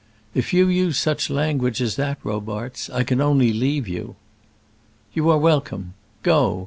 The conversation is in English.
"If you use such language as that, Robarts, I can only leave you." "You are welcome. Go.